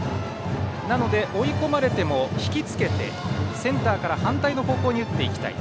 なので、追い込まれても引きつけて、センターから反対の方向に打っていきたい。